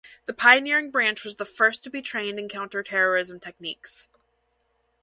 This pioneering branch was the first to be trained in counter terrorism techniques.